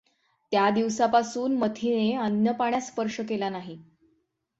त्या दिवसापासून मथीने अन्नपाण्यास स्पर्श केला नाही.